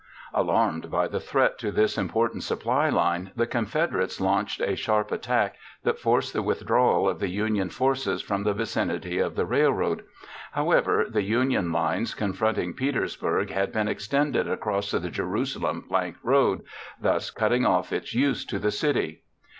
Alarmed by the threat to this important supply line, the Confederates launched a sharp attack that forced the withdrawal of the Union forces from the vicinity of the railroad. However, the Union lines confronting Petersburg had been extended across the Jerusalem Plank Road, thus cutting off its use to the city.